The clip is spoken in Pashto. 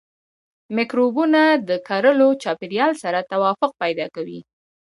مکروبونه د کرلو چاپیریال سره توافق پیدا کوي.